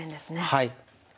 はい。